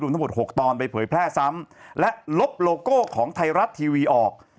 ทั้งหมด๖ตอนไปเผยแพร่ซ้ำและลบโลโก้ของไทยรัฐทีวีออก